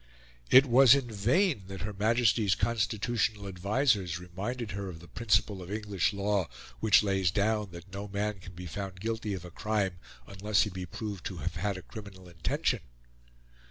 It was in vain that Her Majesty's constitutional advisers reminded her of the principle of English law which lays down that no man can be found guilty of a crime unless he be proved to have had a criminal intention.